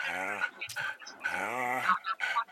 ستا خوږې خبري